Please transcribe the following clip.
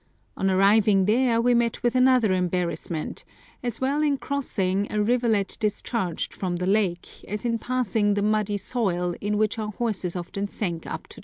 On arriving there we met with another embarrassment, as well in crossing a rivulet discharged from the lake, as in passing the muddy soil, in which our horses often sank up to the chest.